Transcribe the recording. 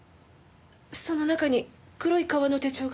その中に黒い革の手帳が。